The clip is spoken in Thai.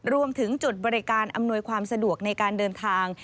รวมถึงจุดบริการอำนวยความสะดวกในการเดินทาง